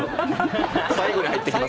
最後に入ってきます。